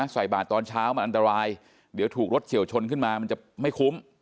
ใส่บาทตอนเช้ามันอันตรายเดี๋ยวถูกรถเฉียวชนขึ้นมามันจะไม่คุ้ม